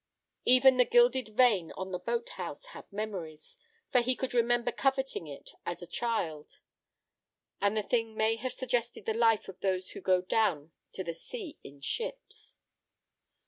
Even the gilded vane on the boat house had memories, for he could remember coveting it as a child, and the thing may have suggested the life of those who go down to the sea in ships.